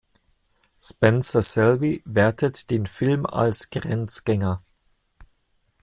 Spencer Selby wertet den Film als „Grenzgänger“.